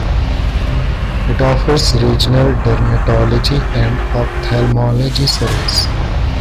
It offers regional dermatology and ophthalmology service.